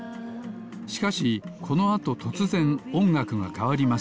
しかしこのあととつぜんおんがくがかわります。